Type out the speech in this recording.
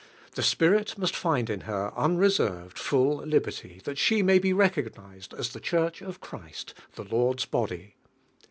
The Spirit must find io her wureserved, full liberty, that she may lie recognised as the Church of Christ, the Lord's Body.